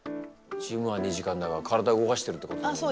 ジムは２時間だが体動かしてるってことだもんなあ。